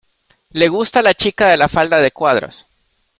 Le gusta la chica de la falda de cuadros.